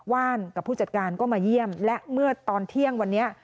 ว่านกับผู้จัดการก็มาเยี่ยมและเมื่อตอนเที่ยงวันนี้